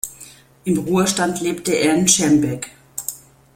Im Ruhestand lebte er in Schermbeck.